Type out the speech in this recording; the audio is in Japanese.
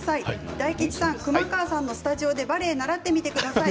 大吉さん、熊川さんのスタジオでバレエ習ってみてください。